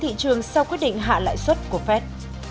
phản ứng thị trường sau quyết định hạ lại suất của fed